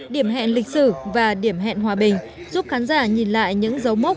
điểm hẹn lịch sử và điểm hẹn hòa bình giúp khán giả nhìn lại những dấu mốc